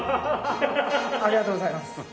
ありがとうございます。